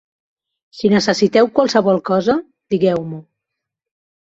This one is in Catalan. Si necessiteu qualsevol cosa, digueu-m'ho